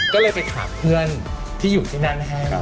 ก็เลยไปถามเพื่อนที่อยู่ที่นั่นให้